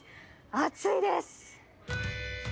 暑いです。